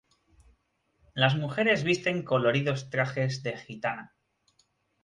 Las mujeres visten coloridos trajes de gitana.